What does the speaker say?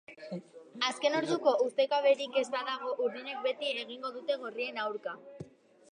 Azken orduko ustekaberik ez badago, urdinek beti egingo dute gorrien aurka.